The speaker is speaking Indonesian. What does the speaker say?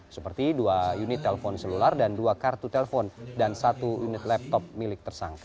seperti dua unit telepon selular dan dua kartu telepon dan satu unit laptop milik tersangka